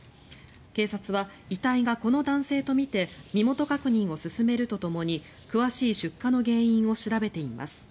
警察は遺体がこの男性とみて身元確認を進めるとともに詳しい出火の原因を調べています。